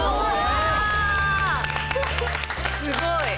すごい。